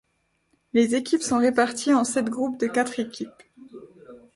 Les équipes sont réparties en sept groupes de quatre équipes.